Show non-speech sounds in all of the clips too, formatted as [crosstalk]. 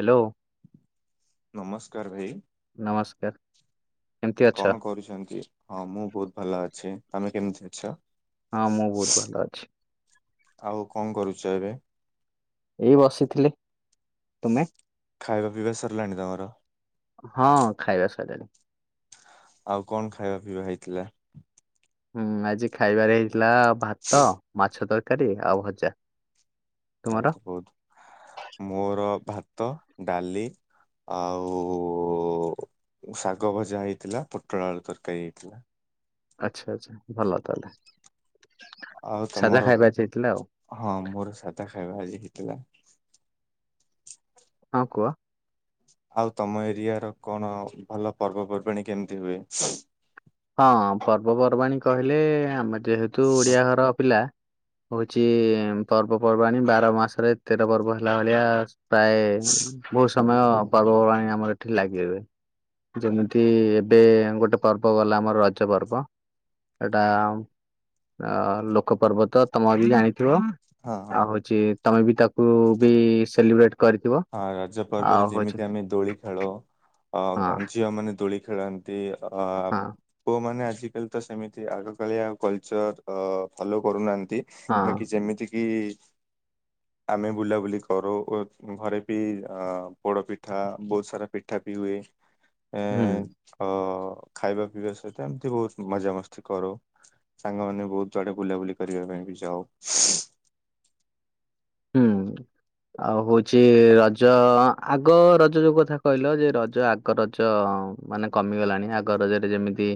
Hello. ନମସ୍କାର ଭାଇ। ନମସ୍କାର। କେମିତି ଅଛ? କଣ କରୁଛନ୍ତି ହଁ ମୁଁ ବହୁତ ଭଲ ଅଛି ତମେ କେମିତି ଅଛ। ହଁ ମୁଁ ବହୁତ ଭଲ ଅଛି। ଆଉ କଣ କରୁଛ ଏବେ? ଏଇ ବସିଥିଲି ତୁମେ? ଖାଇବା ପିଇବା ସରିଲାଣି ତମର? ହଁ ଖାଇବା ସଇଲାଣି। ଆଉ କଣ ଖାଇବା ପିଇବା ହେଇଥିଲା। ହୁଁ ଆଜି ଖାଇବାରେ ହେଇଥିଲା ଭାତ ମାଛ ତରକାରୀ ଆଉ ଭଜା। ତାଏଲ୍ ତୁମର? ତ ବହୁତ ମୋର ଭାତ ଡାଲି। ଆଉ। ଶାଗ ଭଜା ହେଇଥିଲା ପୋଟଳ ଆଳୁ ତରକାରୀ ହେଇଥିଲା। ଆଚ୍ଛା ଆଚ୍ଛା ଭଲ ତାହେଲେ। ଆଉ ସାଧା ତମର ଖାଇବା ଆଜି ହେଇଥିଲା ଆଉ ହଁ ମୋର ସାଧା ଖାଇବା ଆଜି ହେଇଥିଲା। ହଁ କୁଅ? ଆଉ ତମ ଏରିଆ ର କଣ ଭଲ ପର୍ବପର୍ବାଣୀ କେମିତି ହୁଏ? ହଁ ପର୍ବପର୍ବାଣୀ କହିଲେ ଆମେ ଯେହେତୁ ଓଡିଆ ଘର ପିଲା। ହଉଚି ପର୍ବପର୍ବାଣୀ ବାର ମାସରେ ତେର ପର୍ବ ହେଲା ଭଳିଆ ପ୍ରାୟ ବହୁତ ସମୟ ପର୍ବପର୍ବାଣୀ ଆମର ଏଠି ଲାଗି ରୁହେ। ଯେମିତି ଏବେ ଗୋଟେ ପର୍ବ ଗଲା। ମର ରଜ ପର୍ବ ଏଇଟା ଅ ଲୋକ ପର୍ବ ତ ତମେ ବି ଜାଣି ଥିବ ହଁ ହଁ। ଆଉ ହଉଚି ତମେ ବି ତାକୁ ବି ସେଲିବ୍ରେଟ କରିଥିବ ହଁ ରଜ ପର୍ବରେ ଆଉ ହଉଛି ଯେମିତି ଆମେ ଦୋଳି ଖେଳ ଅ ହଁ ଝିଅମାନେ ଦୋ ଳି ଖେଳନ୍ତି ଅ ହଁ ପୁଅ ମାନେ ଆଲି ତ ସେମିତି ଆଗ କାଳିଆ ଆଉ କଲଚର ଅ ଫଲୋ କରୁନାହାନ୍ତି ହଁ ବାକି ଯେମିତି କି ଆମେ ବୁଲାବୁଲି କରୁ ଓ ଘରେ ବି ଅ ପୋଡ ପିଠା ବହୁତ ସାରା ପିଠା ବି ହୁଏ। ଏ ହୁଁ ଅ ଖାଇବା ପିଇବା ସହିତ ଏମିତି ବହୁତ ମଜାମସ୍ତି କରୁ ସାଙ୍ଗ ମାନେ ବହୁତ ଜୁଡେ ବୁଲାବୁଲି କରିବା ପାଇଁ। ବି ଯାଉ। ହୁଁ। ଆଉ ହଉଚି ରଜ ଆଗ ରଜ ଯୋଉ କଥା କଇଲ ଯେ ରଜ ଆଗ ରଜ ମାନେ କମିଗଲାଣି ଆଗ ରଜରେ ଯେମିତି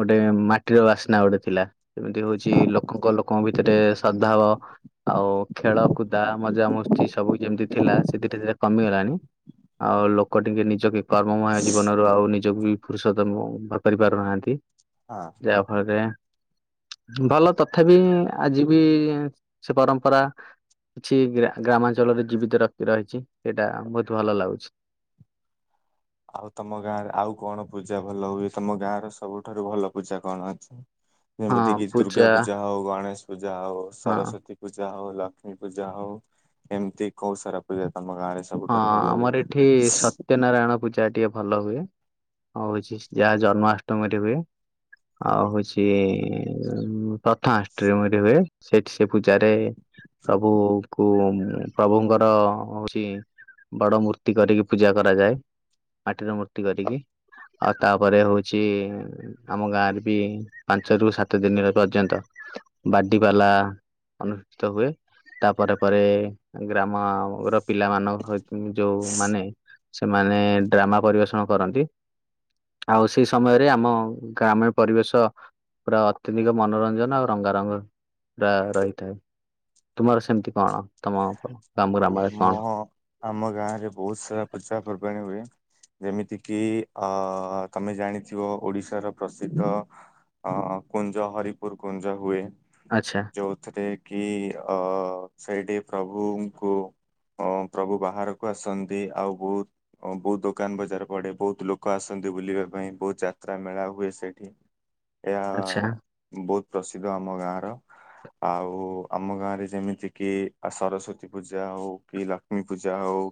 ଗୋଟେ ମାଟିର ବାସ୍ନା ଗୋଟେ ଥିଲା ସେମିତି ହ ଉଛି ଲୋକଙ୍କ ଲୋକଙ୍କ ଭିତରେ ସଦ୍ ଭାବ ଆଉ ଖେଳ କୁଦା ମଜାମସ୍ତି ସବୁ ଯେମିତି ଥିଲା ସେ ଧୀରେ ଧୀରେ କମିଗଲାଣି। ଆଉ ଲୋକ ଟିକେ ନିଜ କି କର୍ମମୟ ଜୀବନରୁ ଆଉ ନିଜକୁ ବି ଫୁରୁସତ କରିପାରୁନାହାନ୍ତି। ହଁ ଯାହା ଫଳରେ ଭଲ ତଥାପି ଆଜି ବି ସେ ପରମ୍ପରା। କିଛି ଗ୍ରା-ଗ୍ରାମାଞ୍ଚଳରେ ଜୀବିତ ର-ରହିଛି ସେଇଟା ବହୁତ ଭଲ ଲାଗୁଛି। ଆଉ ତମ ଗାଁରେ ଆଉ କଣ ପୂଜା ଭଲ ହୁଏ ତମ ଗାଁ ର ସବୁଠାରୁ ଭଲ ପୂଜା କଣ ଅଛି? ଯେମିତି କିି ଦୁର୍ଗା ପୂଜା ହଉ, ଗଣେଶ ପୂଜା ହଉ, ହଁ ସରସ୍ଵତୀ ପୂଜା ହଉ। ଲକ୍ଷ୍ମୀ ପୂଜା ହଉ ଏମିତି ଖଉ ସାରା ପୂଜା ତମ ଗାଁ ରେ ହଁ ସବୁଠାରୁ ଭଲ ହୁଏ? ଆମର ଏଠି ସତ୍ୟନାରାୟଣ ପୂଜା। ଟିକେ ଭଲ ହୁଏ ହଉଛି ଯାହା ଜନ୍ମାଷ୍ଟମୀରେ ହୁଏ। ଆଉ ହଉଛି ପ୍ରଥମାଷ୍ଟମୀ ହୁଏ ସେଠି ସେ ପୂଜାରେ ପ୍ରଭୁ କୁ ପ୍ରଭୁଙ୍କର ହଉଚି ବଡ ମୂର୍ତ୍ତି କରିକି ପୂଜା କରାଯାଏ ମାଟିର ମୂର୍ତ୍ତି କରିକି। ଆଉ ତାପରେ ହଉଚି ଆମ ଗାଁରେ ବି ପାଞ୍ଚ ରୁ ସାତ ଦିନର ପର୍ଯ୍ୟନ୍ତ। ବାଡି ପାଲା ଅନୁଷ୍ଠିତ ହୁଏ। ତାପରେ ପରେ ଗ୍ରାମର ପିଲା ମନଙ୍କ ଯୋଉମାନେ ସେମାନେ ଡ୍ରାମା ପରିବେଷଣ କରନ୍ତି। ଆଉ ସେଇ ସମୟରେ ଆମ ଗ୍ରାମ୍ୟ ପରିବେଶ ପୁରା ଅତ୍ୟଧିକ ମନୋରଞ୍ଜନ ଆଉ ରଙ୍ଗାରଙ୍ଗ ପୁରା ରହିଥାଏ। ତୁମର ସେମିତି କଣ ତମ? ଗ୍ରାମରେ କଣ? ଆମ ଆମ ଗାଁରେ ବହୁତ ସାରା ପୂଜା ପର୍ବାଣୀ ହୁଏ। ଯେମିତିକି ଅ ତମେ ଜାଣିଥିବ ଓଡିଶାର ପ୍ରସିଦ୍ଧ ହଁ କୁ କୁଞ୍ଜହରିପୁର କୁଞ୍ଜ ହୁଏ। ଆଚ୍ଛା ଯଉଥିରେ କି ଅ ସେଇଟି ପ୍ରଭୁଙ୍କୁ ଅ ପ୍ରଭୁ ବାହାରକୁ ଆସନ୍ତି ଆଉ ବହୁ ବହୁତ ଦୋକାନ ବଜାର ପଡେ ବହୁତ ଲୋକ ଆସ ନ୍ତି ବୁଲିବା ପାଇଁ ବହୁତ ଯାତ୍ରା ମେଳା ହୁଏ ସେଠି ଏହା ଆଚ୍ଛା ବହୁତ ପ୍ରସିଦ୍ଧ ଆମ ଗାଁ ର ଆଉ ଆମ ଗାଁରେ ଯେମିତି କିି ସରସ୍ଵତୀ ପୂଜା ହଉ କି ଲକ୍ଷ୍ମୀ ପୂଜା ହଉ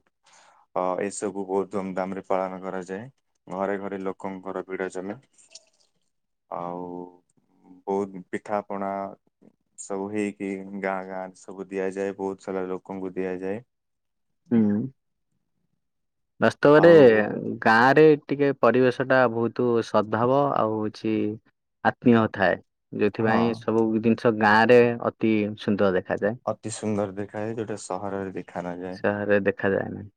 ଅ ଏସବୁ ବହୁତ ଧୁମଧାମ ରେ ପାଳନ କରାଯା ଘରେ ଘରେ ଲୋକଙ୍କର ଭିଡା ଜମେ ଆଉ ବହୁତ ପିଠା ପଣା ସବୁ ହେଇକି ଗାଁ ଗାଁ ସବୁ ଦିଆଯାଏ ବହୁତ ସାରା ଲୋକ ଲୋକଙ୍କୁ ଦିଆଯାଏ। ହୁଁ। ବାସ୍ତବରେ ଆଉ ଗାଁ ରେ ଟିକେ ପରିବେଶ ଟା ବହୁତ ସଦ୍ଭାବ ଆଉ କିଛି ଆତ୍ମୀୟ ଥାଏ। ହଁ ଯୋଉଥିପାଇଁ ସବୁ ଜିନିଷ ଗାଁ ରେ ଅତି ସୁନ୍ଦର ଦେଖା ଅତି ସୁନ୍ଦର ଦେଖାଯାଏ ଯୋଉଟା ସହରରେ ଦେଖାନଯାଏ। ଦେଖାଯାଏନାହିଁ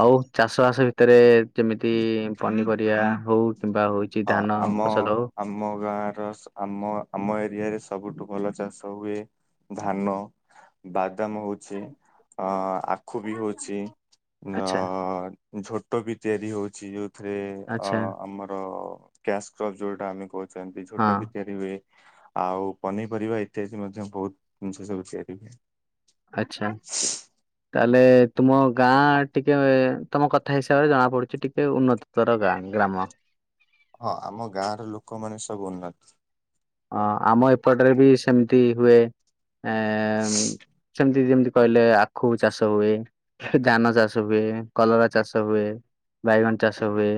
ଆଉ ଚାଷ ବାସ ଭିତରେ ଯେମିତି ପନିପରିବା ହୋଉ ହଁ ଆମ ଆମ ଗାଁ ର ଆମ ଆମ ଏରିଆରେ ସବୁଠୁ ଭଲ ଚାଷ ହୁଏ। ଧାନ ବା ଦାମ ହୋଉଛି ଆ-ଆଖୁ ବି ହୋଉଛି ଆଚ୍ଛା ଆଁ ଉଁ ଝୋଟ ବି ତିଆରି ହୋଉଛି ଯୋଉଥିରେ ଆ ଆଚ୍ଛା କ୍ୟାସ୍ କପ ଯୋଉଟା ଆମେ କହୁଛନ୍ତି ହଁ ଝୋଟ ବି ତିଆରି ହୁଏ। ଆଉ ପନିପରିବା ଇତ୍ୟାଦି ମଧ୍ୟ ବହୁତ ଜିନିଷ ସବୁ ତିଆରି ହୁଏ। ଆଚ୍ଛା। [inaudible] ତାହେଲେ ତୁମ ଗାଁ ଟିକେ ତମ କଥା ହିସାବରେ ଜଣା ପଡୁଛି ଟିକେ ଉନ୍ନତତର ଗାଁ କାମ ହଁ ଆମ ଗାଁ ର ଲୋକମାନେ ସବୁ ଉନ୍ନତି ଆଁ ଆମ ଏପଟରେ ବି ସେମିତି ହୁଏ ଆଁ ଏଁ ଏଁ ଏଁ ସେମ୍ ଯେମିତି କହିଲେ ଆଖୁ ଚାଷ ହୁଏ ଧାନ ଚାଷ ହୁଏ କଲରା ଚାଷ ହୁଏ ବାଇଗଣ ଚାଷ ହୁଏ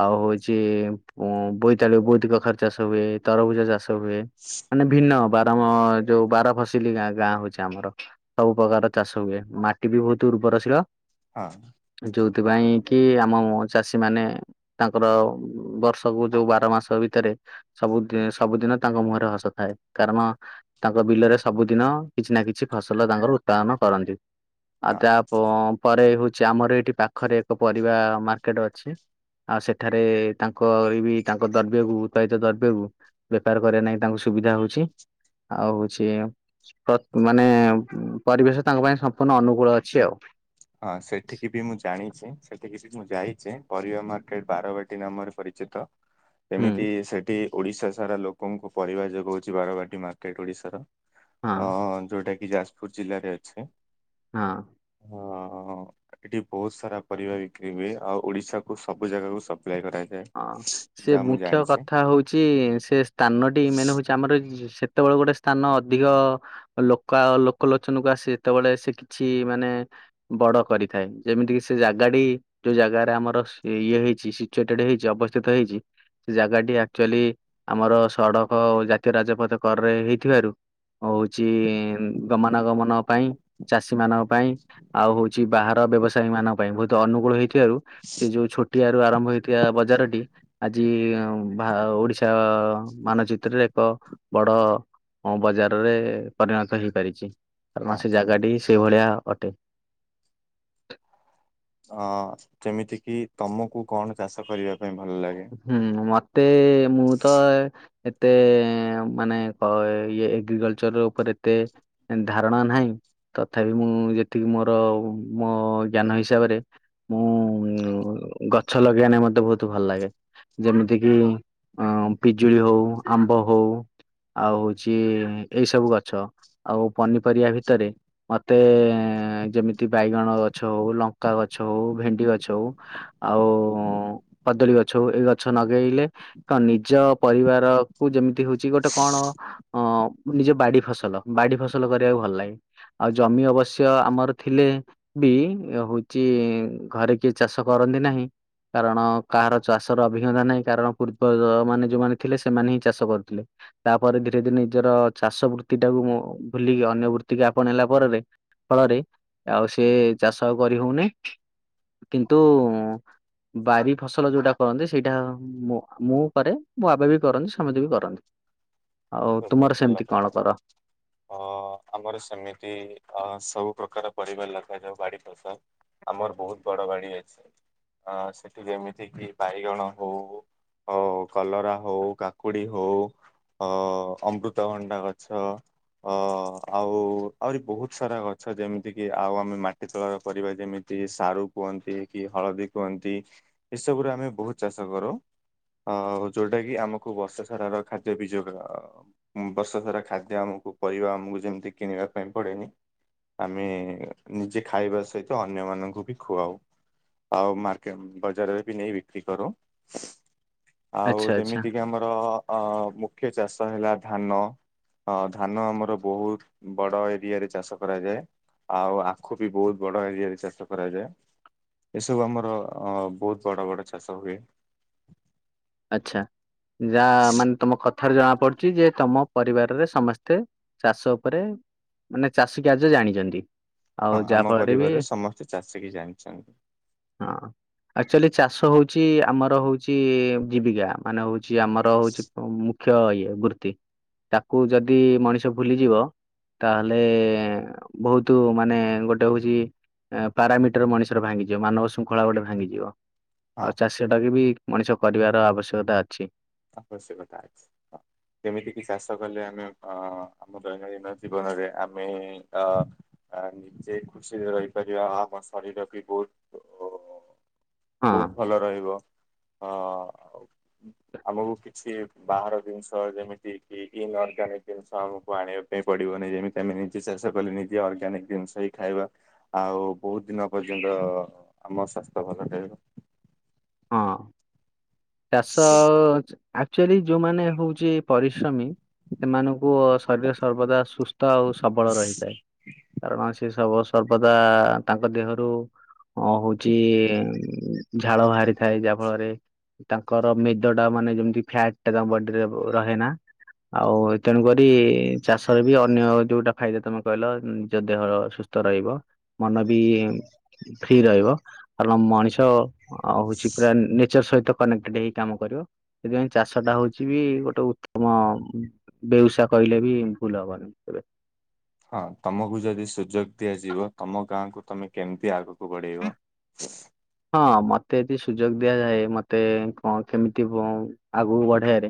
ଆଉ ହୋଉଛି ଉଁ ମ୍ ବୋଇତାଳୁ ବୋଇତି କଖାର ଚାଷ ହୁଏ ତରଭୁଜ ଚାଷ ହୁଏ ମାନେ ଭିନ୍ନ ବାର ଯୋଉ ବାର ଫସଲି ଗାଁ ହୋଉଛି ଆମର ସବୁ ପ୍ରକାର ଚାଷ ହୁଏ। ମାଟି ବି ବହୁତ ଉର୍ବରଶୀଳ ହଁ। [inaudible] ସେଥିପାଇଁ କି ଆମ ଚାଷୀ ମାନେ ତାଙ୍କର ବର୍ଷକୁ ଯୋଉ ବାର ମାସ ଭିତରେ ସବୁ ଦି ସବୁଦିନ ତାଙ୍କ ମୁହଁରେ ହସ ଥାଏ କାରଣ ତାଙ୍କ ବିଲରେ ସବୁଦିନ କିଛି ନା କିଛି ଫସଲ ତାଙ୍କର ପ୍ରତ୍ସାହନ କରନ୍ତି ଆଉ ହଁ ତା ପରେ ହୋଉ ଆମର ଏଠି ପାଖରେ ଏକ ପରିବା ମାର୍କେଟ ଅଛି। ଆଉ ସେଠାରେ ତାଙ୍କ ବି ତାଙ୍କ ଦ୍ରବ୍ୟକୁ ଉତ୍ପାଳିତ ଦ୍ରବ୍ୟକୁ ବେପାର କରିବା ନାଇଁ ତାଙ୍କୁ ସୁବିଧା ହୋଉଛି ଆଉ ହୋଉଛି ମାନେ ପରିବେଶ ତାଙ୍କ ପାଇଁ ସମ୍ପୂର୍ଣ୍ଣ ଅନୁକୂଳ ଅଛି ଆଉ ହଁ ସେଠିକି ବି ମୁଁ ଜାଣିଛିି ସେଠିକି ମୁଁ ଯାଇଛି ପରିବା ମାର୍କେଟ ବାରବାଟୀ ନାମରେ ପରିଚିତ। ହୁଁ ଏମିତି ସେଠି ଓଡିଶା ସାରା ଲୋକଙ୍କୁ ପରିବା ଯୋଗାଉଛି ବାରବାଟୀ ମାର୍କେଟ ଓଡିଶାର ହଁ ଅ ଯୋଉଟା କି ଯାଜପୁର ଜିଲ୍ଲାରେ ଅଛି। ହୁଁ। ହଁ ଏଠି ବହୁତ ସାରା ପରିବା ବିକ୍ରି ହୁଏ ଆଉ ଓଡିଶା କୁ ସବୁ ଜାଗାକୁ ସବୁ ହଁ ସେ ମୁଖ୍ୟ କଥା ହୋଉଛି ସେ ସ୍ଥାନଟି ମାନେ ହୋଉଛି ଆମରି ଯେତେବେଳେ ଗୋଟେ ସ୍ଥାନ ଅଧିକ ଲୋକ ଲୋକଲୋଚନକୁ ଆସେ ଯେତେବେଳେ ସେ କିଛି ମାନେ ବଡ କରିଥାଏ, ଯେମିତି କି ସେ ଜାଗାଟି ଯୋଉ ଜାଗାରେ ଆମର ଇଏ ହୋଇଛି ଏଠି ହେଇଚି ଅବସ୍ଥିତ ହେଇଛି। ସେ ଜାଗାଟି ଆକ୍ଚୁଆଲି ଆମର ସଡକ ଜାତୀୟ ରାଜପଥ କରରେ ହେଇଥିବାରୁ ହୋଉଛି ଗମନାଗମନ ପାଇଁ ଚାଷୀମାନଙ୍କ ପାଇଁ ଆଉ ହୋଉଛି ବାହା ବ୍ୟବସାୟୀମାନଙ୍କ ପାଇଁ ବହୁତ ଅନୁକୂଳ ହେଇଥିବାରୁ ସେ ଯୋଉ ଛୋଟିଆରୁ ଆରମ୍ଭ ହେଇଥିବା ବଜାରଟି ଆଜି ଜି ଆଉଁ ଭା ଓଡିଶା ମାନଚିତ୍ରରେ ଏକ ବଡ଼ ହଁ ବଜାରରେ ପରିଣତ ହେଇପାରିଛି। ଆମ ହଁ ସେ ଜାଗାଟି ସେଇ ଭଳିଆ ଅଟେ। ଅ ଯେମିତି କିି ତମକୁ କଣ ଚାଷ କରିବାକୁ ହୁଁ ମତେ ମୁଁ ତ ଏତେ ମାନେ ଇଏ ଏଗ୍ରିକଲ୍ଚର୍ ଉପରେ ଏତେ ଧାରଣା ନାହିଁ। ତଥାପି ମୁଁ ଯେତିକି ମୋର ମୋ ଜ୍ଞାନ ହିସାବରେ ମୁଁ ଗଛ ଲଗେଇବା ନେଇ ମତେ ବହୁତ ଭଲ ଲାଗେ। ଯେମିତି କିି ଅ ପିଜୁଳି ହଉ ଆମ୍ବ ହଉ ଆଉ ହଉଛି ଏଇ ସବୁ ଗଛ, ଆଉ ପନିପରିବା ଭିତରେ ମତେ ଯେମିତି ବାଇଗଣ ଗଛ ହଉ, ଲଙ୍କା ଗଛ ହଉ, ଭେଣ୍ଡି ଗଛ ହଉ ଆଉ କଦଳୀ ଗଛ ଗଛ ଏ ଗଛ ନଗେଇଲେ ତ ନିଜ ପରିବାରକୁ ଯେମିତି ହଉଛି ଗୋଟେ କଣ ଅ ନିଜ ବାଡି ଫସଲ ବାଡି ଫସଲ କରିବାକୁ ଭଲ ଲାଗେ, ଆଉ ଜମି ଅବଶ୍ୟ ଆମର ଥିଲେ ବି ହଉଛି ଘରେ କିଏ ଚାଷ କରନ୍ତି ନାହିଁ କାରଣ କାହାର ଚାଷର ଅଭିଜ୍ଞତା ନାହିଁ କାରଣ ପୂର୍ବମାନେ ଯୋଉମାନେ ଥିଲେ ସେମାନେ ହିଁ ଚାଷ କରୁଥିଲେ, ତାପରେ ଧୀରେ ଧୀରେ ନିଜର ଚାଷ ବୃତ୍ତିଟାକୁ ମୁ ଭୁଲିକି ଅନ୍ୟ ବୃତ୍ତିକୁ ଆପଣେଇଲା ପରରେ ଫଳରେ ଆଉ ସେ ଚାଷ କରି ହଉନି। କିନ୍ତୁ ବାରି ଫସଲ ଯୋଉଟା କରନ୍ତି ସେଇଟା ମୁଁ ମୁଁ କରେ, ମୋ ବାବା ବି କରନ୍ତି, ସମତେ ବି କରନ୍ତି। ଆଉ ବହୁତ ତୁମର ଭଲ ସେମିତି କଥା। କଣ କର? ଅ ଆମର ସେମିତି ଅ ସବୁ ପ୍ରକାର ପରିବା ଲଗାଯାଉ ବାଡି ଫସଲ, ଆମର ବହୁତ ବଡ ବାଡି ଅଛି। ଅ ସେଠି ଯେମିତି କିି ବାଇଗଣ ହଉ ହ କଲରା ହଉ, କାକୁଡି ହଉ ଅ ଅମୃତଭଣ୍ଡା ଗଛ ଅ ଆଉ ଆହୁରି ବହୁତ ସାରା ଗଛ ଯେମିତି କିି ଆଉ ଆମେ ମାଟି ତଳ ପରିବା ଯେମିତି କି ସାରୁ କୁହନ୍ତି କି ହଳଦୀ କୁହନ୍ତି ଏସବୁରେ ଆମେ ବହୁତ ଚାଷ କରୁ। ଅ ଯୋଉଟା କିି ଆମକୁ ବର୍ଷସାରାର ଖାଦ୍ୟ ବି ଯୋଗ ଆ ବର୍ଷସାରା ଖାଦ୍ୟ ଆମକୁ ପରିବା ଆମକୁ ଯେମିତି କିଣିବା ପାଇଁ ପଡେନି। ଆମେ ନିଜେ ଖାଇବା ସହିତ ଅନ୍ୟମାନଙ୍କୁ ବି ଖୁଆଉ। ଆଉ ମାର୍କେ ବଜାରରେ ବି ନେଇ ବିକ୍ରି କରୁ। ଆଉ ଆଚ୍ଛା ଆଚ୍ଛା ଯେମିତିକି ଆମର ଅ ମୁଖ୍ୟ ଚାଷ ହେଲା ଧାନ। ହଁ ଧାନ ଆମର ବହୁତ ବଡ ଏରିଆ ରେ ଚାଷ କରାଯାଏ। ଆଉ ଆଖୁ ବି ବହୁତ ବଡ ଏରିଆରେ ଚାଷ କରାଯାଏ। ଏସବୁ ଆମର ଅ ବହୁତ ବଡ ବଡ ଚାଷ ହୁଏ। ଆଛା! ଯାହା ମାନେ ତମ କଥା ଥାରୁ ଜଣା ପଡୁଛି ଯେ ତମ ପରିବାରରେ ସମସ୍ତେ ଚାଷ ଉପରେ ମାନେ ଚାଷୀ କାର୍ଯ୍ୟ ଜାଣିଛନ୍ତି। ଆଉ ହଁ, ଯାହା ଆମ ଫଳରେ ବି ପରିବାରରେ ସମସ୍ତେ ଚାଷୀ କି ଜାଣିଛନ୍ତି। ହଁ ଆକଚୁଆଲି ଚାଷ ହଉଛି ଛି ଆମର ହଉଛି ଜୀବିକା, ମାନେ ହଉଛି ଆମର ହଉଛି ମୁ ମୁଖ୍ୟ ଇଏ ବୃତ୍ତି, ତାକୁ ଯଦି ମଣିଷ ଭୁଲିଯିବ ତାହେଲେ ବହୁତ ମାନେ ଗୋଟେ ହଉଛି ପାରାମିଟର ମଣିଷର ଭାଙ୍ଗିଯିବ, ମାନବ ଶୃଙ୍ଖଳା ଗୋଟେ ଭାଙ୍ଗିଯିବ। ହଁ। ଆଉ ଚାଷ ଟାକୁ ବି ମଣିଷ କରିବାର ଆବଶ୍ୟକତା ଅଛି। ଆବଶ୍ୟକତା ଅଛି। ଯେମିତିକି ଚାଷ କଲେ ଆମେ ଅ ଆମ ଦୈନଦିନ ଜୀବନରେ ଆମେ ଅ ଆ ନିଜେ ଖୁସିରେ ରହିପାରିବା, ଆ-ଆମ ଶରୀରର ବି ବହୁତ ଅ ହଁ ବହୁତ ଭଲ ରହିବ ଅ ଆମକୁ କିଛି ବାହାର ଜିନିଷ ଯେମିତି କି ଈନ୍ଅର୍ଗାନିକ ଜିନିଷ ଆମକୁ ଆଣିବା ପାଇଁ ପଡିବ ନି ଯେମିତି ଆମେ ନିଜେ କଲେ ନିଜେ ଅରର୍ଗାନିକ ଜିନିଷ ହି ଖାଇବା, ଆଉ ବହୁତ ଦିନ ପର୍ଯ୍ୟନ୍ତ ଆମ ସ୍ୱାସ୍ଥ୍ୟ ଭଲ ରହିବ। ହଁ ଚାଷ ଆକ୍ଚୁଆଲି ଯୋଉ ମାନେ ହଉ ଯିଏ ପରିଶ୍ରମୀ ସେମାନଙ୍କୁ ଶରୀର ସର୍ବଦା ସୁସ୍ଥ ଆଉ ସବଳ ରହିଥାଏ। କାରଣ ସେ ସବ ସର୍ବଦା ତାଙ୍କ ଦେହରୁ ହଁ ହଉଚି ଝାଳ ବାହାରି ଥାଏ ଯାହା ଫଳରେ ତାଙ୍କର ମେଦଟା ମାନେ ଯେମିତି ଫ୍ୟାଟ ଟା ତାଙ୍କ ବଡିରେ ରହେ ନା। ଆଉ ତେଣୁକରି ଚାଷରେ ବି ଅନ୍ୟ ଯୋଉଟା ଫାଇଦା, ତମେ କହିଲ ନିଜ ଦେହ ସୁସ୍ ସୁସ୍ଥ ରହିବ। ମନ ବି ଫ୍ରି ରହିବ। କାରଣ ମଣିଷ ଆଉ ହଉଛି ପୁରା ନେଚର ସହିତ କନେକ୍ଟେଡ ହେଇ କାମ କରିବ। ସେଥିପାଇଁ ଚାଷଟା ହେଉଛି ବି ଗୋଟେ ଉତ୍ତମ ମ ବ୍ୟବସାୟ କହିଲେ ବି ଭୁଲ ହବନି। ତେବେ ହଁ ତମକୁ ଯଦି ସୁଯୋଗ ଦିଆଯିବ ତମ ଗାଁକୁ ତମେ କେମିତି ଆଗକୁ ବଢେଇବ? ହୁଁ! ହଁ ମତେ ଯଦି ସୁଯୋଗ ଦିଆଯାଏ। ମତେ କଣ କେମିତି ଆଗକୁ ବଢେଇବାରେ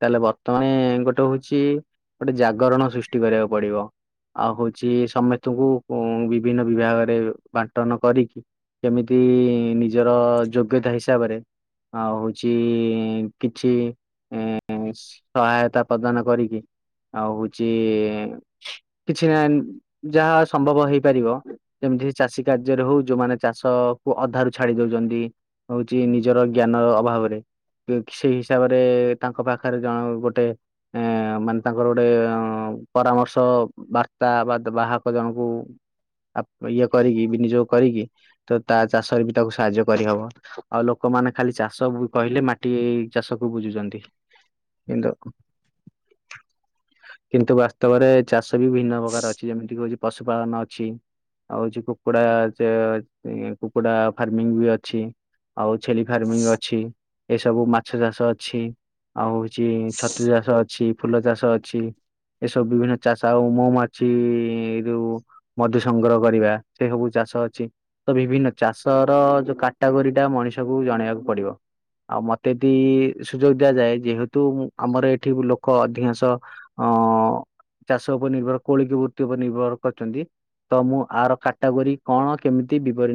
ତାହେଲେ ବର୍ତ୍ତମାନ ଗୋଟେ ହେଉଛି ଗୋଟେ ଜାଗରଣ ସୃଷ୍ଟି କରିବାକୁ ପଡିବ। ଆଉ ହଉଛି ସମେସ୍ତଙ୍କୁ ବିଭିନ୍ନ ବିଭାଗରେ ବାଣ୍ଟନ କରିକି କେମିତି ନିଜର ଯୋଗ୍ୟତା ହିସାବରେ ଆଉ ହଉଛି କିଛି ଇ ସହାୟତା ପ୍ରଦାନ କରିକି ଆଉ ହଉଛି କିଛି ନା ଯାହା ସମ୍ଭବ ହେଇପାରିବ ସେମି- ଚାଷୀ କାର୍ଯ୍ୟରେ ହଉ ଯୋଉମାନେ ଚାଷକୁ ଅଧାରୁ ଛାଡି ଦେଉଛନ୍ତି। ହଉଛି ନିଜର ଜ୍ଞାନ ଅଭାବରେ [unintelligible] ସେଇ ହିସାବରେ ତାଙ୍କ ପାଖରେ ଜଣ ଗୋଟେ ଏଁ ମାନେ ତାଙ୍କର ଗୋଟେ ପରାମର୍ଶ ବାର୍ତ୍ତା ବା ବାହକ ଜଣଙ୍କୁ ଆ ଇଏ କରିକି ବିନିଯୋଗ କରିକି ତ ତା ଚାଷରେ ବି ତାକୁ ସାହାଯ୍ୟ କରିହେବ। ଆଉ ଲୋକମାନେ ଖାଲି ଚାଷ ବ କହିଲେ ମାଟି ଚାଷକୁ ବୁଝୁଛନ୍ତି। କିନ୍ତୁ କିନ୍ତୁ ବାସ୍ତବରେ ଚାଷ ବିଭିନ୍ନ ପ୍ରକାର ଅଛି ଯେମିତି ହଉଛି କି ପଶୁପାଳନ ଅଛି। ଆଉ ହଉଛି କୁକୁଡା ଚେ ଏ କୁକୁଡା ଫାର୍ମିଂ ବି ଅଛି। ଆଉ ଛେଳି ଫାର୍ମିଂ ଅଛି। ଏସବୁ ମାଛ ଚାଷ ଅଛି। ଆଉ ହଉଛି ଛତୁ ଚାଷ ଅଛି। ଫୁଲ ଚାଷ ଅଛି। ଏସବୁ ବିଭିନ୍ନ ଚାଷ ଆଉ ମୁଁ ମହୁମାଛି ଏଇ ଯୋଉ ମଧୁ ସଂଗ୍ରହ କରିବା ସେ ସବୁ ଚା ଚାଷ ଅଛି ତ ବିଭିନ୍ନ ଚାଷ ର ଯୋଉ କାଟାଗୋରିଟା ମଣିଷକୁ ଜଣେଇବାକୁ ପଡିବ। ଆଉ ମତେ ଯଦି ସୁଯୋଗ ଦିଆଯାଏ, ଯେହେତୁ ଆମର ଏଠି ଲୋକ ଅଧିକାଂଶ ଅ [inaudible] ଚାଷ ଉପରେ ନିର୍ଭର କୋଳିକ ବୃତି ଉପରେ ନିର୍ଭର କରିଛନ୍ତି। ତ ମୁଁ ଆର କାଟାଗୋରୀ କଣ କେମିତି ବିବର